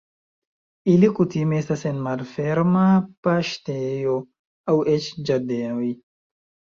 Ili kutime estas en malferma paŝtejo aŭ eĉ ĝardenoj.